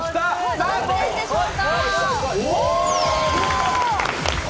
何点でしょうか？